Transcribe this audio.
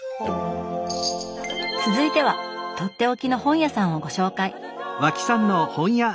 続いてはとっておきの本屋さんをご紹介